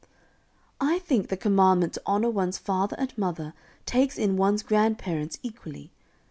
"I think the commandment to honor one's father and mother takes in one's grandparents equally.